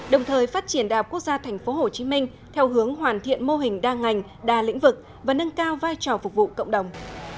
đồng thời phát triển đại học quốc gia tp hcm theo hướng hoàn thiện mô hình đa ngành đa lĩnh vực và nâng cao vai trò phục vụ cộng đồng